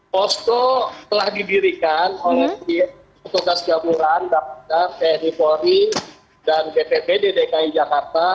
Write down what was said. posko telah didirikan oleh tugas gabungan pnp polri dan bpb dki jakarta